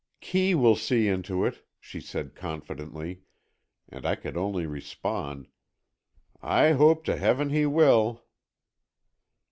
"Kee will see into it," she said, confidently, and I could only respond: "I hope to Heaven he will."